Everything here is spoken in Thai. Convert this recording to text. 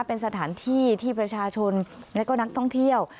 เป็นสถานที่ที่ประชาชนและก็นักท่องเที่ยว